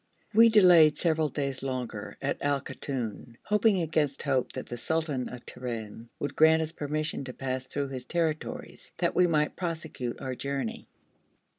We delayed several days longer at Al Koton, hoping against hope that the sultan of Terim would grant us permission to pass through his territories, that we might prosecute our journey.